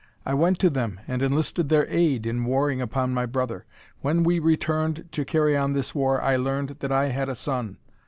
I went to them and enlisted their aid in warring upon my brother. When we returned to carry on this war I learned that I had a son.